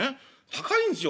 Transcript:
高いんすよ